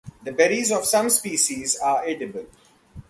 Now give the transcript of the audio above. The berries of some species are edible.